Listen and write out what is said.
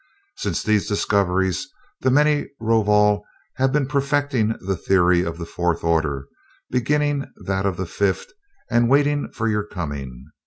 Since these discoveries, the many Rovol have been perfecting the theory of the fourth order, beginning that of the fifth, and waiting for your coming.